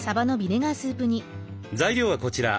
材料はこちら。